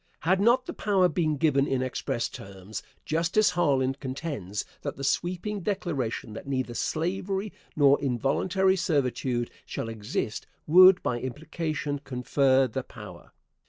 Had not the power been given in express terms, Justice Harlan contends that the sweeping declaration that neither slavery nor involuntary servitude shall exist would by implication confer the power.